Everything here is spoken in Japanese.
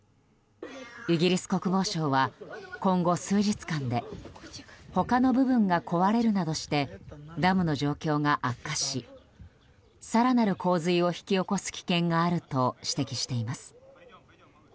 イギリス国防省は、今後数日間で他の部分が壊れるなどしてダムの状況が悪化し更なる洪水を引き起こす危険があると指摘しています。